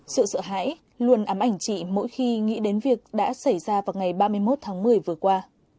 sự sợ hãi luôn ám ảnh chị mỗi khi nghĩ đến việc đã xảy ra vào ngày ba mươi một tháng một mươi vừa qua